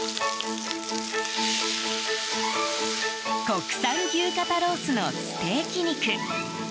国産牛肩ロースのステーキ肉。